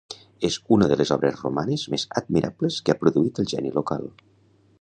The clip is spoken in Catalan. És una de les obres romanes més admirables que ha produït el geni local.